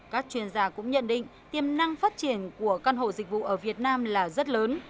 các chuyên gia cũng nhận định tiềm năng phát triển của căn hộ dịch vụ ở việt nam là rất lớn